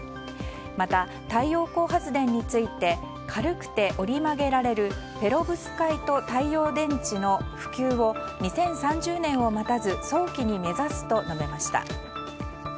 また、太陽光発電について軽くて折り曲げられるペロブスカイト太陽電池の普及を２０３０年を待たず早期に目指すと述べました。